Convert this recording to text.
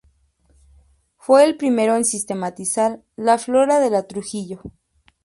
Fue el primero en sistematizar la flora de la Trujillo.